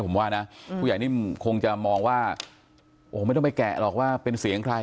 ผมว่านะผู้ใหญ่นิ่มคงจะมองว่าโอ้โหไม่ต้องไปแกะหรอกว่าเป็นเสียงใคร